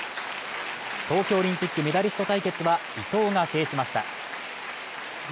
東京オリンピックメダリスト対決は伊藤が制しました。